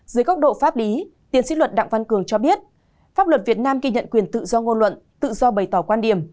dưới góc độ pháp lý tiến sĩ luật đặng văn cường cho biết pháp luật việt nam ghi nhận quyền tự do ngôn luận tự do bày tỏ quan điểm